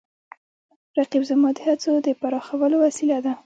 رقیب زما د هڅو د پراخولو وسیله ده